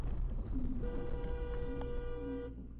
یا د تورې غوا لوشل وي